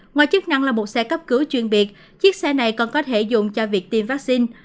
ngoài chức năng là một xe cấp cứu chuyên biệt chiếc xe này còn có thể dùng cho việc tiêm vaccine